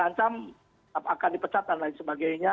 diancam akan dipecat dan lain sebagainya